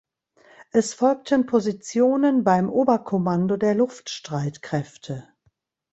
Es folgten Positionen beim Oberkommando der Luftstreitkräfte.